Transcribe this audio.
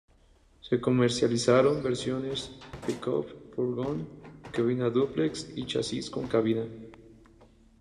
Se comercializaron versiones pick-up, furgón, cabina dúplex y chasis con cabina.